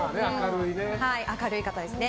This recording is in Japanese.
明るい方ですね。